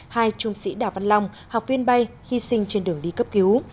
hai trung sĩ đào văn long học viên bay hy sinh trên đường đi cấp cứu